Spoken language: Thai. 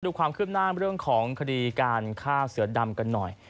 ความคืบหน้าเรื่องของคดีการฆ่าเสือดำกันหน่อย